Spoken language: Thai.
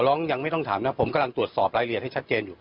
ยังไม่ต้องถามนะผมกำลังตรวจสอบรายละเอียดให้ชัดเจนอยู่